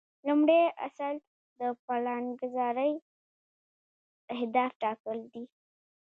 لومړی اصل د پلانګذارۍ اهداف ټاکل دي.